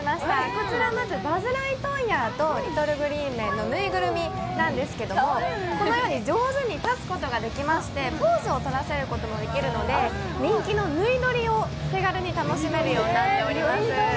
こちら、まずバズ・ライトイヤーとリトル・グリーン・メンのぬいぐるみなんですけどこのように上手に立つことができましてポーズをとらせることもできるので、人気のぬい撮りを楽しめるようになっています